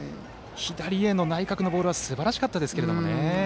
左への内角のボールはすばらしかったんですが。